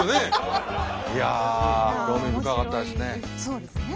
いや興味深かったですね。